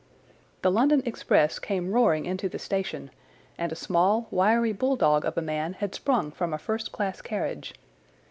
The London express came roaring into the station, and a small, wiry bulldog of a man had sprung from a first class carriage.